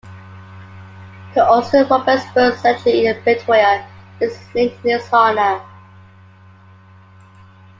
The Austin Roberts Bird Sanctuary in Pretoria is named in his honour.